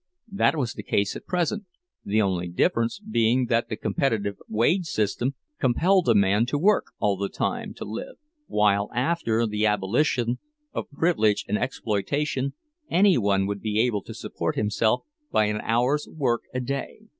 That was the case at present, the only difference being that the competitive wage system compelled a man to work all the time to live, while, after the abolition of privilege and exploitation, any one would be able to support himself by an hour's work a day.